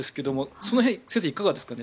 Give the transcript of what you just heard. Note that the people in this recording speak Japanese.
その辺、先生いかがですかね。